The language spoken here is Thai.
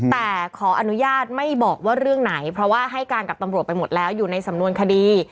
แต่ขออนุญาตไม่บอกว่าเรื่องไหนเพราะว่าให้การกับตำรวจไปหมดแล้วอยู่ในสำนวนคดี